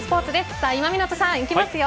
さあ、今湊さん、いきますよ。